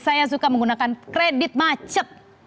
saya suka menggunakan kredit macet